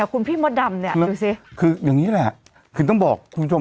คุณพี่มดดำเนี่ยดูสิคืออย่างนี้แหละคือต้องบอกคุณผู้ชม